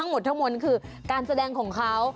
ทั้งหมดทั้งมวลคือการแสดงของเขา